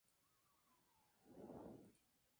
Hijo de Vicente Ibarra y Ana Teresa Toro.